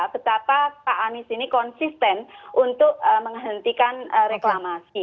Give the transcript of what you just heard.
betapa pak anies ini konsisten untuk menghentikan reklamasi